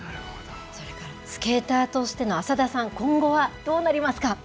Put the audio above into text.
それからスケーターとしての浅田さん、今後はどうなりますか？